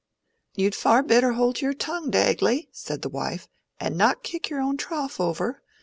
"You'd far better hold your tongue, Dagley," said the wife, "and not kick your own trough over.